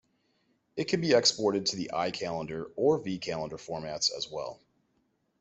It can be exported to the iCalendar or vCalendar formats as well.